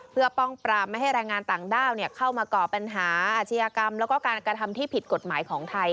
เพื่อป้องปรามไม่ให้แรงงานต่างด้าวเข้ามาก่อปัญหาอาชญากรรมแล้วก็การกระทำที่ผิดกฎหมายของไทย